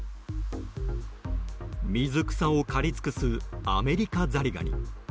水草を刈り尽くすアメリカザリガニ。